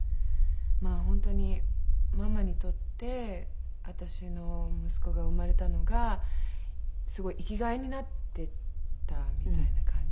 まあ本当にママにとって私の息子が生まれたのがすごい生きがいになってたみたいな感じで。